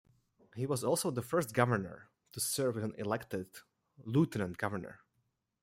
He was also the first Governor to serve with an elected Lieutenant Governor.